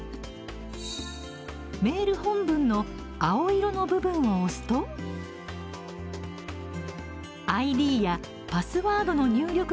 メール本文の青色の部分を押すとＩＤやパスワードの入力画面が現れます。